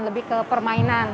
lebih ke permainan